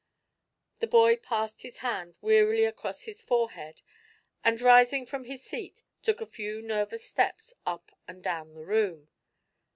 The boy passed his hand wearily across his forehead and, rising from his seat, took a few nervous steps up and down the room.